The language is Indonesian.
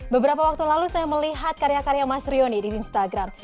beberapa waktu lalu saya melihat karya karya mas rioni di instagram